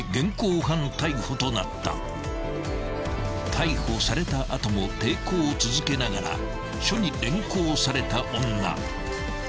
［逮捕された後も抵抗を続けながら署に連行された女］